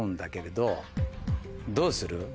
どうする？